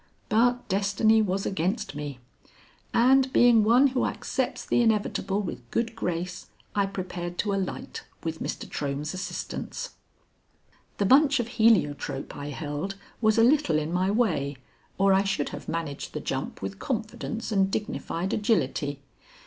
But destiny was against me, and being one who accepts the inevitable with good grace, I prepared to alight, with Mr. Trohm's assistance. The bunch of heliotrope I held was a little in my way or I should have managed the jump with confidence and dignified agility.